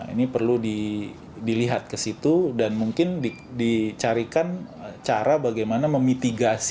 ini perlu dilihat ke situ dan mungkin dicarikan cara bagaimana memitigasi